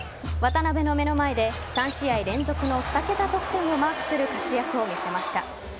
渡邊の目の前で３試合連続の２桁得点をマークする活躍を見せました。